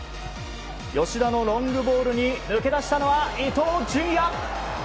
吉田のロングボールに抜け出したのは伊東純也！